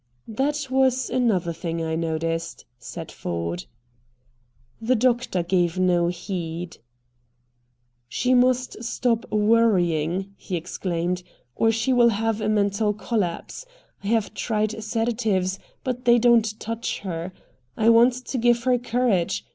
"That was another thing I noticed," said Ford. The doctor gave no heed. "She must stop worrying," he exclaimed, "or she will have a mental collapse. I have tried sedatives, but they don't touch her. I want to give her courage.